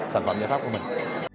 sản phẩm giải pháp của mình